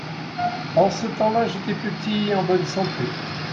en ce temps-là j'étais petit et en bonne santé.